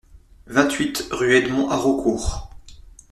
vingt-huit rue Edmond Haraucourt